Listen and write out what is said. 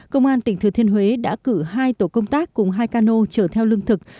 công an tỉnh thừa thiên huế đã cử hai tổ công tác cùng hai cano chở theo lương thực